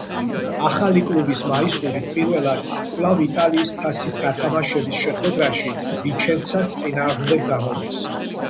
ახალი კლუბის მაისურით პირველად კვლავ იტალიის თასის გათამაშების შეხვედრაში „ვიჩენცას“ წინააღმდეგ გამოდის.